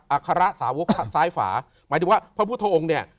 อาคาระสาวกซ้ายฝาหมายถึงว่าพระพุทธองค์เนี่ย